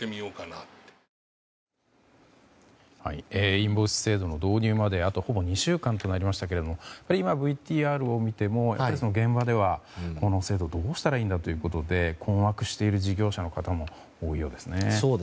インボイス制度の導入まであとほぼ２週間となりましたけど今、ＶＴＲを見てもやっぱり現場ではこの制度どうしたらいいんだということで困惑している事業者の方も多いようですね。